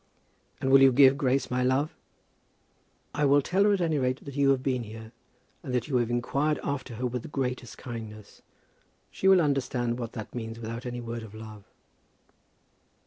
"And will you give Grace my love?" "I will tell her at any rate that you have been here, and that you have inquired after her with the greatest kindness. She will understand what that means without any word of love."